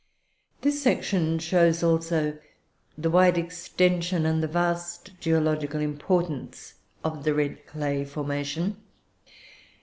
"This section shows also the wide extension and the vast geological importance of the red clay formation.